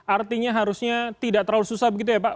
artinya harusnya tidak terlalu susah begitu ya pak